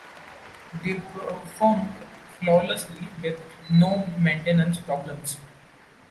They performed flawlessly with no maintenance problems.